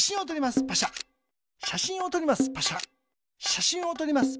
しゃしんをとります。